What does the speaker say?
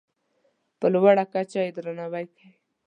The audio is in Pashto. په لوړه کچه یې درناوی کوي.